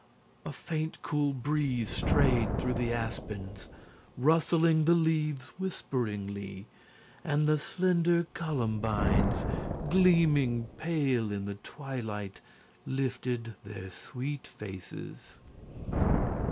A FAINT, COOL BREEZE STRAYED THROUGH THE ASPENS, RUSTLING THE LEAVES WHISPERINGLY, AND THE SLENDER COLUMBINES, GLEAMING PALE IN THE TWILIGHT LIFTED THEIR SWEET FACES."